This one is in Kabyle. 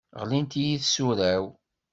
Ɣlint-iyi tsura-w.